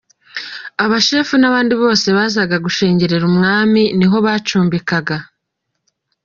Abashefu n’abandi bose bazaga gushengerera umwami ni ho bacumbikaga.